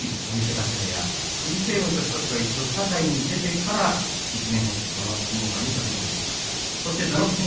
追手風部屋の藤青雲と日翔志は一度社会に出てから一念発起、相撲界に飛び込んできました。